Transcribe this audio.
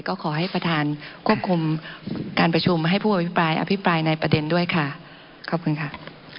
ก็ขอให้ประธานควบคุมการประชุมให้ผู้อภิปรายอภิปรายในประเด็นด้วยค่ะขอบคุณค่ะ